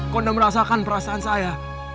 kau tidak merasakan perasaan saya